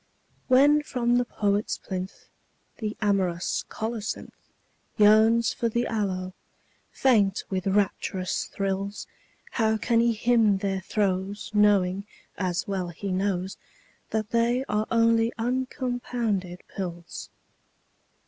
When from the poet's plinth The amorous colocynth Yearns for the aloe, faint with rapturous thrills, How can he hymn their throes Knowing, as well he knows, That they are only uncompounded pills?